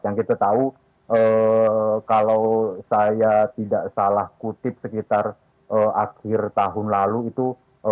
yang kita tahu kalau saya tidak salah kutip sekitar akhir tahun lalu itu